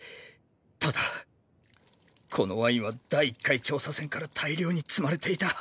ただこのワインは第一回調査船から大量に積まれていた。